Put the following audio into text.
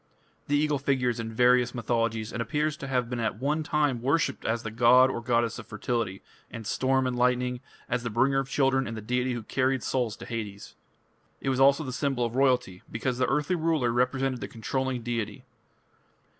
" The eagle figures in various mythologies, and appears to have been at one time worshipped as the god or goddess of fertility, and storm and lightning, as the bringer of children, and the deity who carried souls to Hades. It was also the symbol of royalty, because the earthly ruler represented the controlling deity.